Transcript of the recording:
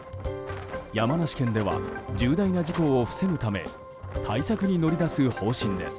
山梨県では重大な事故を防ぐため対策に乗り出す方針です。